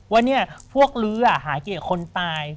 ว่านี่พวกลื้อหาเกตคนตาย